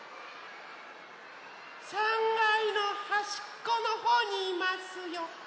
３がいのはしっこのほうにいますよ。